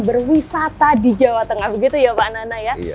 berwisata di jawa tengah begitu ya pak nana ya